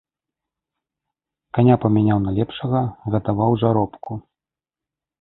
Каня памяняў на лепшага, гадаваў жаробку.